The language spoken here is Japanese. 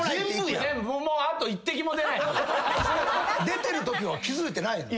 出てるときは気付いてないの？